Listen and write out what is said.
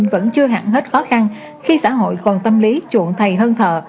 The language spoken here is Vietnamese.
vẫn chưa hẳn hết khó khăn khi xã hội còn tâm lý chuộng thầy hơn thợ